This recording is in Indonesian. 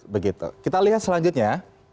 begitu kita lihat selanjutnya